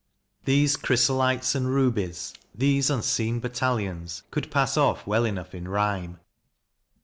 These " chrysolites and rubies," these " unseen bat talions," could pass off well enough in rhyme.